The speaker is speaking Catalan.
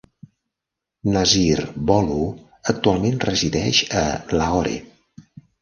Nasir Bholu actualment resideix a Lahore.